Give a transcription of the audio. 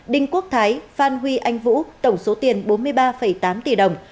đinh quốc thái phan huy anh vũ tổng số tiền bốn mươi ba tám tỷ đồng